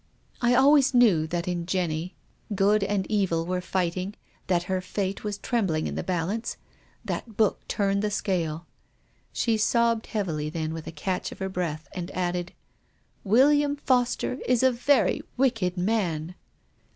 I always knew that in Jenny good and evil were fighting, that her fate was trembling in the balance. That book turned the e. She sobbed heavily, then with a catch of her breath, she added, " William Foster is a very wicked man."